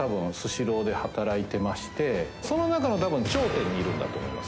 その中の多分頂点にいるんだと思います